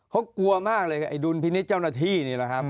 เขากลัวมากเลยกับไอดุลพินิษฐ์เจ้าหน้าที่นี่แหละครับ